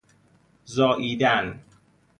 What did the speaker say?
زاییدن